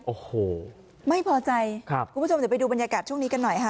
โอ้โหไม่พอใจครับคุณผู้ชมเดี๋ยวไปดูบรรยากาศช่วงนี้กันหน่อยค่ะ